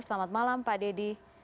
selamat malam pak deddy